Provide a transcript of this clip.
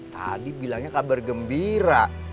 tadi bilangnya kabar gembira